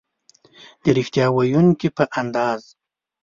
د ریښتیا ویونکي په اندازه